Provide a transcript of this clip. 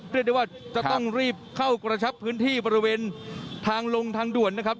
เรียกได้ว่าจะต้องรีบเข้ากระชับพื้นที่บริเวณทางลงทางด่วนนะครับ